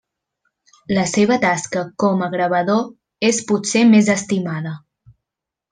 La seva tasca com a gravador és potser més estimada.